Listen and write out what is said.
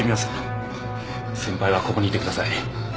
先輩はここにいてください。